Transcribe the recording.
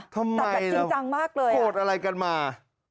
ทำไมตัดจริงจังมากเลยโกรธอะไรกันมา